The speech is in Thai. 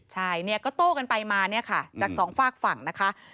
ใช่ก็โต้กันไปมาจากสองฝากฝั่งนะคะ